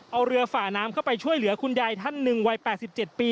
เอาเรือฝ่าน้ำเข้าไปช่วยเหลือคุณยายท่านหนึ่งวัย๘๗ปี